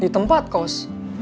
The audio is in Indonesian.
di tempat kos